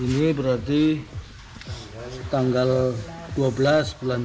ini berarti tanggal dua belas bulan tiga tiga ratus